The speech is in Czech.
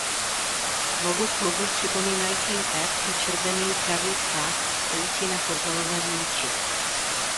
V logu klubu připomínajícím erb je červený dravý pták stojící na fotbalovém míči.